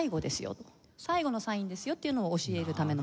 最後のサインですよっていうのを教えるためのものですね。